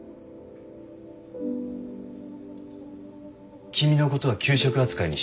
君のことは休職扱いにしていた。